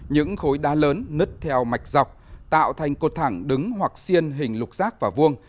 những khối đá lớn nứt theo mạch dọc tạo thành cột thẳng đứng hoặc xiên hình lục rác và vuông